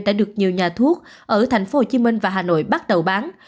đã được nhiều nhà thuốc ở tp hcm và hà nội bắt đầu bán